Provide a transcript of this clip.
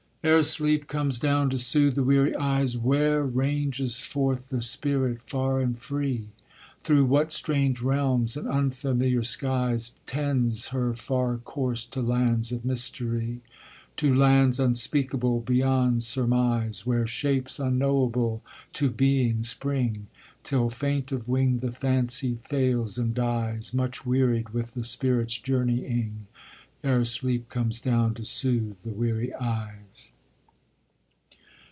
Ere sleep comes down to soothe the weary eyes, Where ranges forth the spirit far and free? Through what strange realms and unfamiliar skies Tends her far course to lands of mystery? To lands unspeakable beyond surmise, Where shapes unknowable to being spring, Till, faint of wing, the Fancy fails and dies Much wearied with the spirit's journeying, Ere sleep comes down to soothe the weary eyes.